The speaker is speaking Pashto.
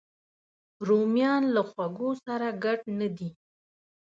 رومیان له خوږو سره ګډ نه دي